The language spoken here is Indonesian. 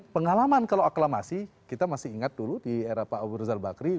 pengalaman kalau aklamasi kita masih ingat dulu di era pak abu rizal bakri